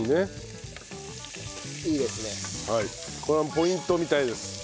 これはポイントみたいです。